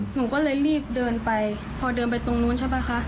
หนูก็เลยรีบเดินไปพอเดินไปตรงนู้นใช่ป่ะคะ